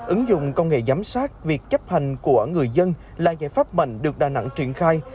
ứng dụng công nghệ giám sát việc chấp hành của người dân là giải pháp mạnh được đà nẵng triển khai